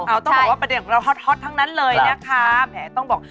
เอาต้องบอกว่าประเด็นของเราฮอตทั้งนั้นเลยน่ะครับ